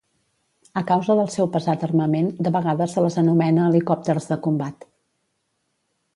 A causa del seu pesat armament, de vegades se les anomena helicòpters de combat.